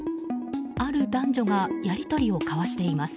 ある男女がやり取りを交わしています。